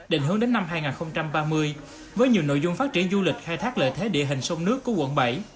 định hướng đến năm hai nghìn ba mươi với nhiều nội dung phát triển du lịch khai thác lợi thế địa hình sông nước của quận bảy